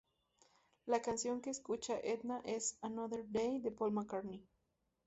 La canción que escucha Edna es "Another Day" de Paul McCartney.